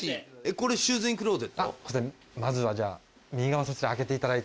まずはじゃあ右側そちら開けていただいて。